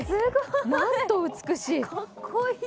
なんと美しい。